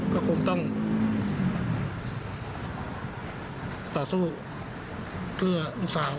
ก็คงต้องต่อสู้เพื่อลูกสาว